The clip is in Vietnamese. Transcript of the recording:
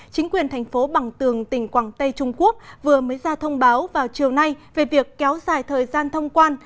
chính quyền thành phố bằng tường tỉnh quảng tây trung quốc vừa mới ra thông báo vào chiều nay về việc kéo dài thời gian thông quan